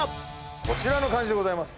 こちらの漢字でございます。